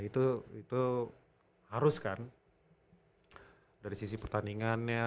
itu harus kan dari sisi pertandingannya